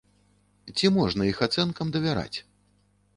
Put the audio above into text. Ці можна іх ацэнкам давяраць?